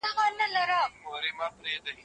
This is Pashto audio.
په کور کي د علم ډېوه نه مړ کېږي.